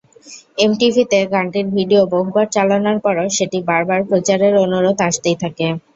এমটিভিতে গানটির ভিডিও বহুবার চালানোর পরও সেটি বারবার প্রচারের অনুরোধ আসতেই থাকে।